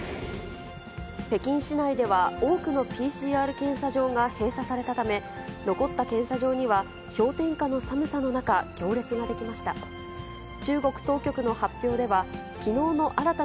北京市内では、多くのＰＣＲ検査場が閉鎖されたため、残った検査場には、氷点下の寒さの中、行列が出来ました。